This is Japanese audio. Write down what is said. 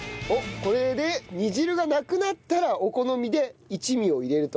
これで煮汁がなくなったらお好みで一味を入れると。